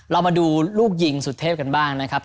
เรามาดูลูกยิงสุดเทพกันบ้างนะครับ